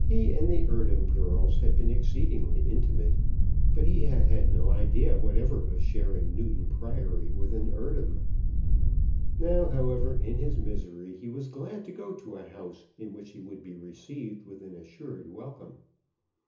He and the Eardham girls had been exceedingly intimate, but he had had no idea whatever of sharing Newton Priory with an Eardham. Now, however, in his misery he was glad to go to a house in which he would be received with an assured welcome.